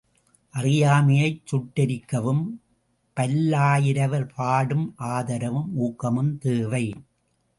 அறியாமையைச் சுட்டெரிக்கவும் பல்லாயிரவர் பாடும், ஆதரவும், ஊக்கமும் தேவை.